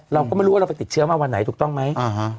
เราก็ไม่รู้ว่าเราไปติดเชื้อมาวันไหนถูกต้องไหม